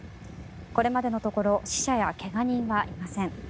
これまでのところ死者や怪我人はいません。